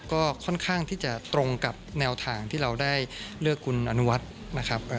ก็ค่อนข้างที่จะตรงกับแนวทางที่เราได้เลือกคุณอนุวัฒน์นะครับ